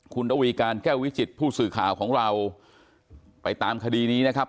คุณระวีการแก้ววิจิตผู้สื่อข่าวของเราไปตามคดีนี้นะครับ